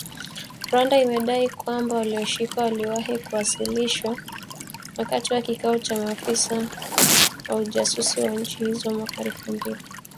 Rwanda imedai kwamba walioshikwa waliwahi kuwasilishwa wakati wa kikao cha maafisa wa ujasusi wa nchi hizo mwaka Elfu mbili ishirini na mbili